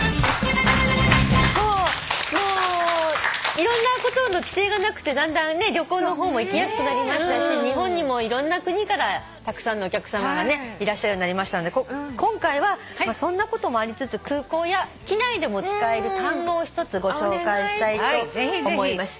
いろんなことの規制がなくてだんだんね旅行の方も行きやすくなりましたし日本にもいろんな国からたくさんのお客さまがいらっしゃるようになりましたので今回はそんなこともありつつ空港や機内でも使える単語を１つご紹介したいと思います。